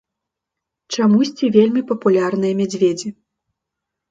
Чамусьці вельмі папулярныя мядзведзі.